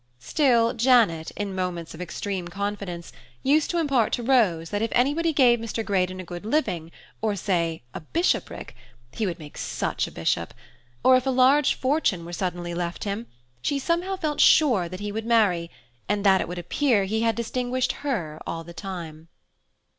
Still Janet, in moments of extreme confidence, used to impart to Rose that if anybody gave Mr. Greydon a good living, or say, a bishopric (he would make such a bishop!), or if a large fortune were suddenly left him, she somehow felt sure that he would marry, and that it would appear he had distinguished her all the time.